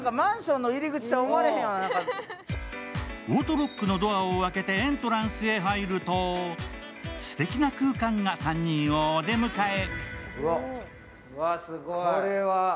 オートロックのドアを開けてエントランスに入るとすてきな空間が３人をお出迎え。